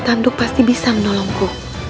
tanduk pasti bisa menolongku